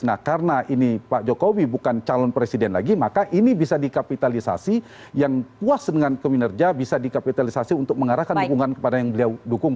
nah karena ini pak jokowi bukan calon presiden lagi maka ini bisa dikapitalisasi yang puas dengan keminerja bisa dikapitalisasi untuk mengarahkan dukungan kepada yang beliau dukung